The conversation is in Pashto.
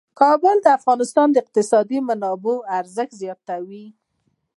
کابل د افغانستان د اقتصادي منابعو ارزښت زیاتوي.